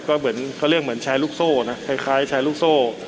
เขาเรียกเหมือนแชร์ลูกโซ่นะคล้ายแชร์ลูกโซ่